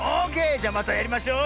じゃまたやりましょう！